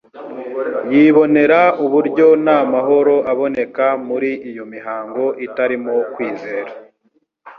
Yibonera uburyo nta mahoro aboneka muri iyo mihango itarimo kwizera.